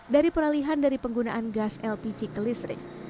dari peralihan dari penggunaan gas lpg ke listrik